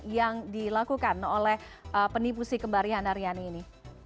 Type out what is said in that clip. yang dilakukan oleh penipu si kembarian naryani ini